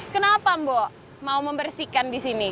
kenapa mbok mau membersihkan di sini